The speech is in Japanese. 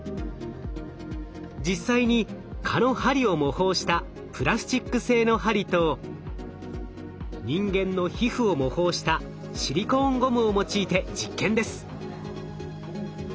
実際に蚊の針を模倣したプラスチック製の針と人間の皮膚を模倣したシリコーンゴムを用いて実験です。